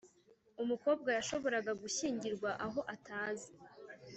Umukobwa yashoboraga gushyingirwa aho atazi.